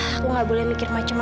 aku gak boleh mikir macem macem ah